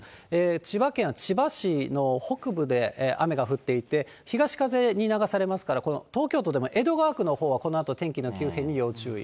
千葉県は千葉市の北部で雨が降っていて、東風に流されますから、この東京都でも江戸川区のほうはこのあと天気の急変に要注意。